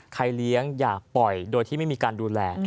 เลี้ยงอย่าปล่อยโดยที่ไม่มีการดูแล